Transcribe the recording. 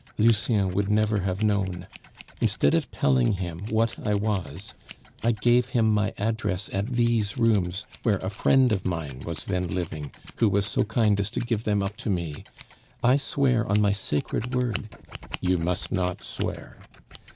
Lucien would never have known. Instead of telling him what I was, I gave him my address at these rooms, where a friend of mine was then living, who was so kind as to give them up to me. I swear on my sacred word " "You must not swear."